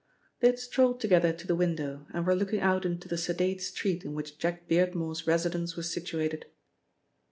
They had strolled together to the window, and were looking out into the sedate street in which Jack Beardmore's residence was situated.